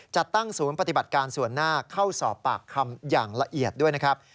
จัดตั้งศูนย์ปฏิบัติการส่วนหน้าเข้าสอบปากคำอย่างละเอียดด้วยนะครับ